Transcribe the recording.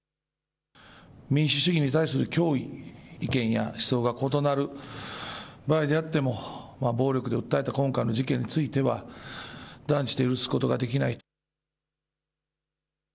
民主主義に対する脅威、意見や思想が異なる場合であっても暴力で訴えた今回の事件については断じて許すことができない。